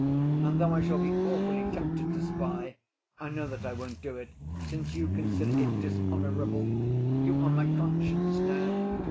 And though I shall be awfully tempted to spy, I know that I won't do it since you consider it dishonorable. You are my conscience now....